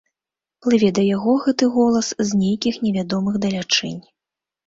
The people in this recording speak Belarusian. Плыве да яго гэты голас з нейкіх невядомых далячынь.